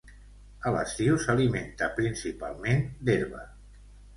A l'estiu s'alimenta principalment d'herba.